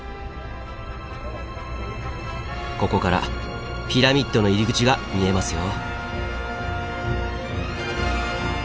ここからピラミッドの入り口が見えますよ。